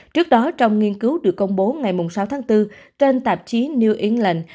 trước đó trong nghiên cứu được công bố ngày sáu tháng bốn trên tạp chí new england